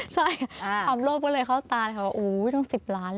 ใช่คำโรคก็เลยเข้าตาแล้วค่ะว่าโอ้ต้อง๑๐ล้านเลยนะคะ